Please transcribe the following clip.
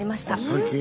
最近？